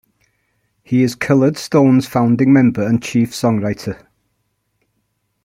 He is Coloured Stone's founding member and chief songwriter.